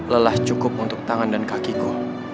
lelah cukup untuk tangan dan kakiku